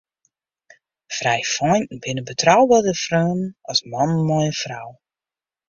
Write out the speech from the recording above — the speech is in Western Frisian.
Frijfeinten binne betrouberder freonen as mannen mei in frou.